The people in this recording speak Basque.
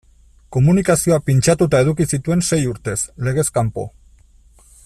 Komunikazioak pintxatuta eduki zituen sei urtez, legez kanpo.